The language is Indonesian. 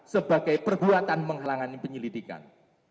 sebagai perbuatan menghalangi penyelidikan